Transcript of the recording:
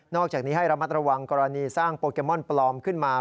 อกจากนี้ให้ระมัดระวังกรณีสร้างโปเกมอนปลอมขึ้นมา